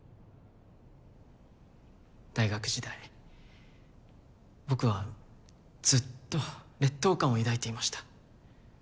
大学時代僕はずっと劣等感を抱いていました。